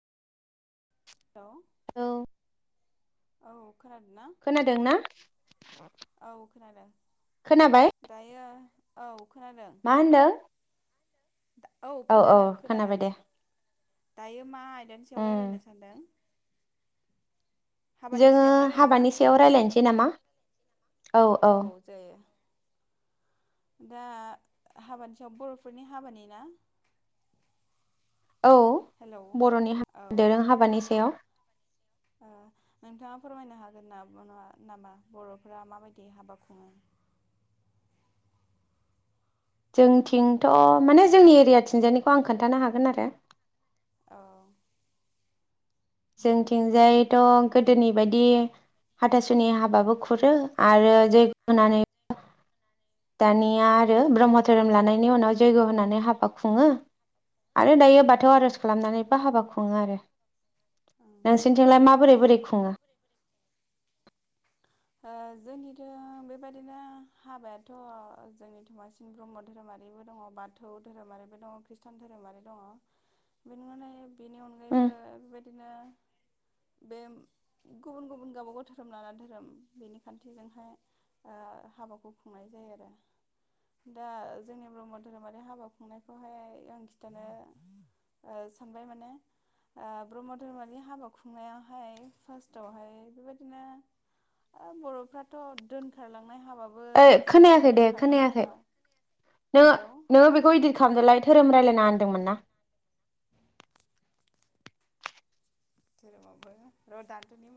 हेल' औ औ खोनादोंना? खोनादोंना? औ खोनादों। दायो औ खोनादों मा होनदों? औ खोनादों खोनादों। दायो मा आयदानि सायाव उम रायलायनो सानदों? हाबानि जोंङो सायाव रायज्लायगोन ना हाबानि सायाव रायज्लायनोसै नामा? औ औ। जायो। दा हाबानि सायाव बर'फोरनि हाबानि ना? औ हेलौ बर'नि औ दोरों हाबानि सायाव। ओ नोंथाङा फोरमायनो हागोन नामा बर'फोरा माबायदि हाबा खुङो? जोंथिंथ' माने जोंनि एरिया थिंजायनिखौ आं खोन्थानो हागोन आरो। औ। जोंथिंजायथ' दे गोदोनि बायदि हाथासुनि हाबाबो खुरो। आरो जैग होनानै दानिया आरो ब्रह्म धोरोम लानायनि उनाव यज्ञ होनानै हाबा खुङो। आरो दायो बाथौ औ आर'ज खालामनानै बा हाबा खुङो आरो। ओं बे नोंसिनिथिंलाय मोनथामखौ माबोरै नुयो बोरै आरो। खुङो [inaudible] ओ जोंनिथिंथ' बेबायदिनो हाबायाथ' जोंनिथिं बांसिन ब्रह्म धोरोमारिबो दङ। बाद बाथौ धोरोमारिबो दङ खृष्टान धोरोमारि दङ बेनि अनगायै बेनि उम अनगायैबो बेबायदिनो बे गुबुन गुबुन गावबागाव धोरोम लानानै धोरोम बेनि खान्थिजोंहाय ओ हाबाखौ खुंनाय जायो आरो। दा जोंनि ब्रह्म धोरोमारि हाबा खुंनायखौहाय आं खिथानो ओ सानबाय माने। ओ ब्रह्म धोरोमनि हाबा खुंनायावहाय फार्स्टावहाय बेबायदिनो बर'फ्राथ' दोनखारलांनाय हाबाबो ओय खुङो खोनायाखै दे दोनखारनाय खोनायाखै। हाबा नो हेलौ नोंङो बेखौ इदित खालामदोलाय धोरोम रायज्लायना होनदोंमोन ना धोरों आवबो र थानथनि